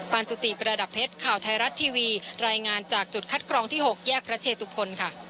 จุติประดับเพชรข่าวไทยรัฐทีวีรายงานจากจุดคัดกรองที่๖แยกพระเชตุพลค่ะ